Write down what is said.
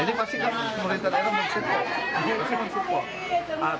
ini pasti kan pemerintah ini men support